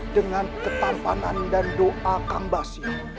dengan ketampanan dan doa kambas